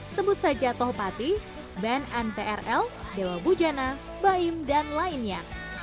sebut saja toh pati band ntrl dewa bujana baim dan lainnya